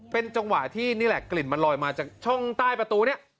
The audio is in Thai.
เป็นจังหวะที่นี่แหละกลิ่นมันลอยมาจากช่องใต้ประตูนี้